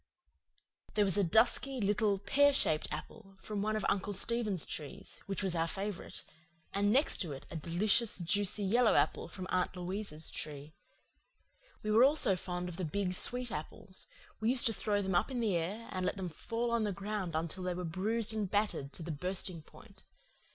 There was a dusky, little, pear shaped apple from one of Uncle Stephen's trees which was our favourite; and next to it a delicious, juicy yellow apple from Aunt Louisa's tree. We were also fond of the big sweet apples; we used to throw them up in the air and let them fall on the ground until they were bruised and battered to the bursting point.